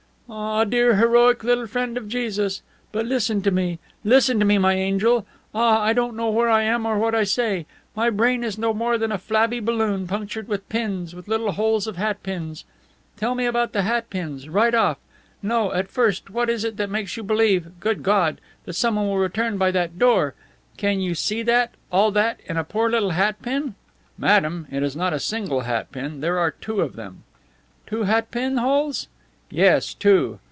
"Ah, dear heroic little friend of Jesus! But listen to me. Listen to me, my angel. Ah, I don't know where I am or what I say. My brain is no more than a flabby balloon punctured with pins, with little holes of hat pins. Tell me about the hat pins. Right off! No, at first, what is it that makes you believe good God! that someone will return by that door? How can you see that, all that, in a poor little hat pin?" "Madame, it is not a single hat pin hole; there are two of them. "Two hat pin holes?" "Yes, two.